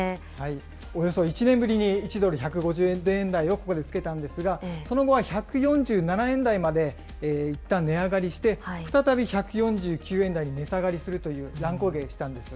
およそ１年ぶりに１ドル１５０円台をここでつけたんですが、その後は１４７円台までいったん値上がりして、再び１４９円台に値下がりするという乱高下したんです。